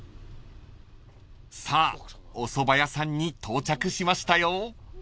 ［さあおそば屋さんに到着しましたよ］